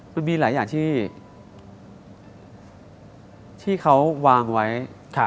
บ๊วยบ๊วยมีหลายอย่างที่อ๋อที่เขาวางไว้คาะ